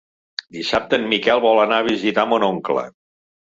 Dissabte en Miquel vol anar a visitar mon oncle.